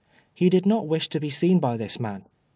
He did not wish to be seen by this man.